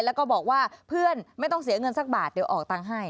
แล้วก็บอกว่าเพื่อนไม่ต้องเสียเงินสักบาทเดี๋ยวออกตังค์ให้